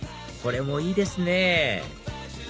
これもいいですね！